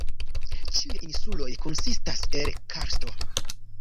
Ĉiuj insuloj konsistas el karsto.